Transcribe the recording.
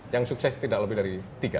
yang sukses tidak lebih dari tiga